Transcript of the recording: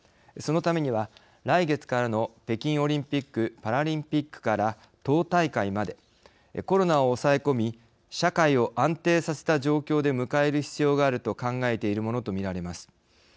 そのためには、来月からの北京オリンピック・パラリンピックから党大会までコロナを抑え込み社会を安定させた状況で迎える必要があると考えているものと見られます。